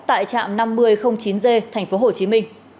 tại trạm năm nghìn chín g tp hcm